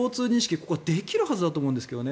ここはできるはずだと思うんですけどね。